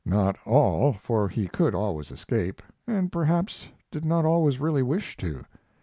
Not all, for he could not always escape, and perhaps did not always really wish to.